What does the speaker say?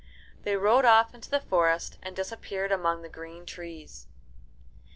They rode off into the forest, and disappeared among the green trees.